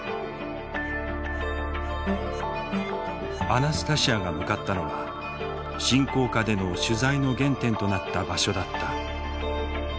アナスタシヤが向かったのは侵攻下での取材の原点となった場所だった。